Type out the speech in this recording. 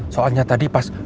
soalnya tadi pas